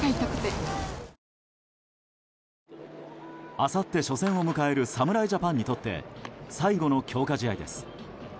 あさって初戦を迎える侍ジャパンにとって最後の強化試合です。